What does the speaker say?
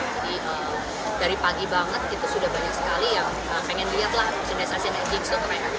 jadi dari pagi banget itu sudah banyak sekali ya pengen dilihat lah asean games